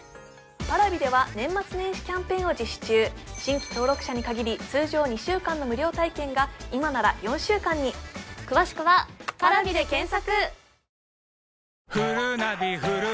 Ｐａｒａｖｉでは年末年始キャンペーンを実施中新規登録者に限り通常２週間の無料体験が今なら４週間に詳しくはパラビで検索